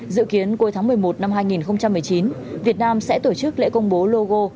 dự kiến cuối tháng một mươi một năm hai nghìn một mươi chín việt nam sẽ tổ chức lễ công bố logo